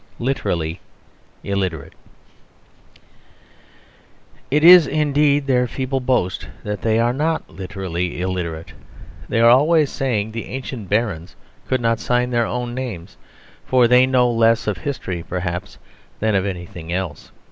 Literally Illiterate It is indeed their feeble boast that they are not literally illiterate. They are always saying the ancient barons could not sign their own names for they know less of history perhaps than of anything else.